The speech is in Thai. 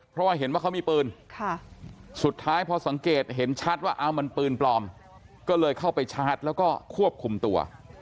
เพราะว่าเห็นว่าเขามีปืนสุดท้ายพอสังเกตเห็นชัดว่าเอามันปืนปลอมก็เลยเข้าไปชาร์จแล้วก็ควบคุมตัว